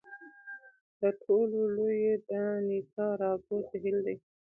د ټولو لوی یې د نیکاراګو جهیل دی.